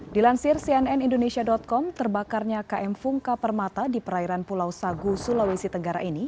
dilansir cnn indonesia com terbakarnya km fungka permata di perairan pulau sagu sulawesi tenggara ini